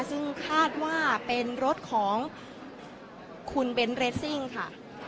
ซึ่งคาดว่าเป็นรถของคุณเบ้นค่ะ